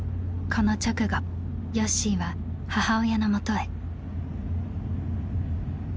この直後よっしーは母親のもとへ。